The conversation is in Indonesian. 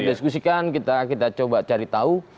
kita diskusikan kita coba cari tahu